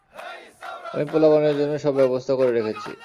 আমি পোলাপানের জন্য সব ব্যবস্থা করে রেখেছি।